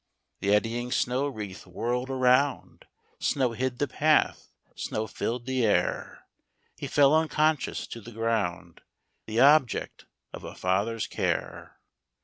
The eddying snow wreath whirl'd around — Snow hid the path, ^now fill'd the air. He fell unconscious to the ground, The object of a Father's care.